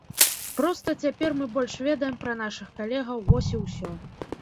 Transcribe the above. Проста цяпер мы больш ведаем пра нашых калегаў, вось і усё.